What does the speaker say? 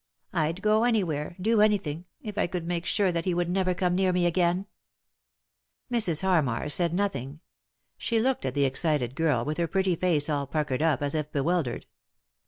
I'd go anywhere, do anything, if I could make sure that he would never come near me again." *3 3i 9 iii^d by Google THE INTERRUPTED KISS Mrs. Harmar said nothing. She looked at the excited girl with her pretty race all puckered up as if bewildered.